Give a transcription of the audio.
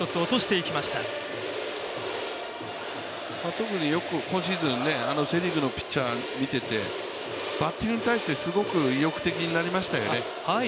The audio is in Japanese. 特によく今シーズンセ・リーグのピッチャーから見ててバッティングに対してすごく意欲的になりましたよね。